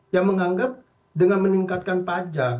yang menganggap dengan meningkatkan pajak